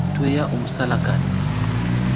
Thweya umu salakane.